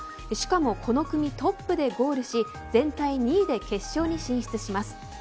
しかも、この組トップでゴールし全体２位で決勝に進出します。